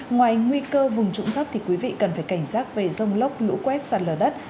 ngoài nguy cơ vùng trụng thấp thì quý vị cần phải cảnh giác về dông lốc lũ quét sạt lửa đất